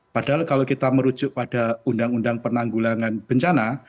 padahal kalau kita merujuk pada undang undang penanggulangan bencana